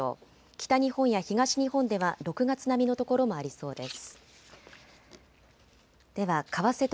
北日本や東日本では６月並みの所もありそうです。